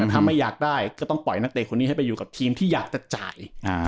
ถ้าไม่อยากได้ก็ต้องปล่อยนักเตะคนนี้ให้ไปอยู่กับทีมที่อยากจะจ่าย